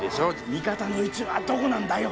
味方の位置はどこなんだよ！